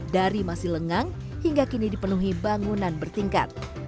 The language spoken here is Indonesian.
dari masih lengang hingga kini dipenuhi bangunan bertingkat